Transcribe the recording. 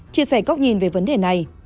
chia sẻ góc nhìn về vấn đề này